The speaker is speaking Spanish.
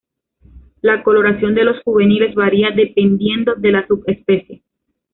La coloración de los juveniles varía dependiendo de la subespecie.